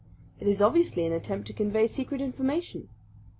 "It is obviously an attempt to convey secret information."